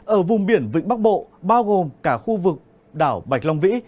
ở vùng biển vịnh bắc bộ bao gồm cả khu vực đảo bạch long vĩ